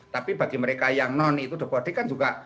tapi bagi mereka yang non itu depodic kan juga